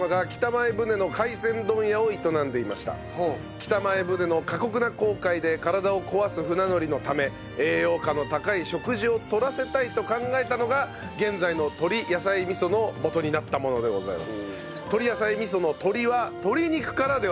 北前船の過酷な航海で体を壊す船乗りのため栄養価の高い食事をとらせたいと考えたのが現在のとり野菜みその元になったものでございます。